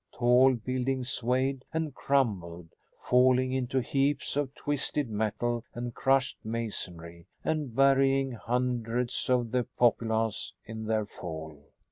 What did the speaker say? Tall buildings swayed and crumbled, falling into heaps of twisted metal and crushed masonry and burying hundreds of the populace in their fall.